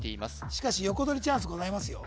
しかしヨコドリチャンスございますよ